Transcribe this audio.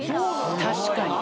確かに。